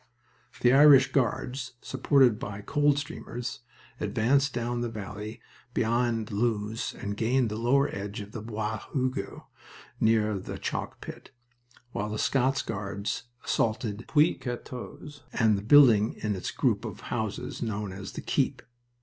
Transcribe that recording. The Irish Guards, supported by the Coldstreamers, advanced down the valley beyond Loos and gained the lower edge of Bois Hugo, near the chalk pit, while the Scots Guards assaulted Puits 14 and the building in its group of houses known as the Keep.